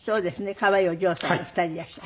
可愛いお嬢さんが２人いらっしゃる。